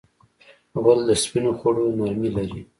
غول د سپینو خوړو نرمي لري.